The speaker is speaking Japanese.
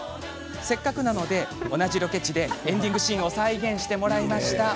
せっかくなので、同じロケ地でエンディングシーンを再現してもらいました。